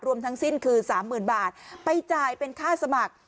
รวมทั้งสิ้นคือสามหมื่นบาทไปจ่ายเป็นค่าสมัคร